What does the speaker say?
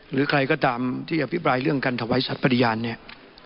หรือใครก็ตามที่อภิปรายเรื่องการถวายสัตว์ปฏิญาณเนี่ย